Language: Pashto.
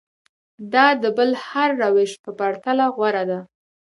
دا د بل هر روش په پرتله غوره ده.